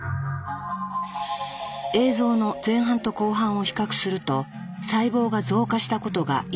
映像の前半と後半を比較すると細胞が増加したことが一目瞭然。